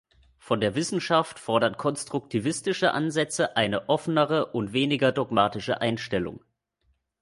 Von der Wissenschaft fordern konstruktivistische Ansätze eine offenere und weniger dogmatische Einstellung.